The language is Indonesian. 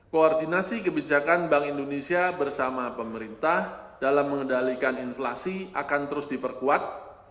koordinasi kebijakan bank indonesia bersama pemerintah dalam mengendalikan inflasi akan terus diperkuat